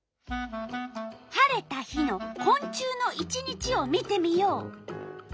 晴れた日のこん虫の１日を見てみよう。